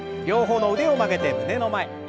両方の腕を曲げて胸の前。